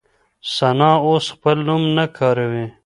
ثنا اوس خپل نوم نه کاروي.